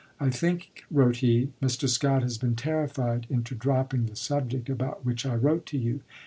" I think," wrote he, "Mr. Scott has been terrified into dropping the subject about which I wrote to you.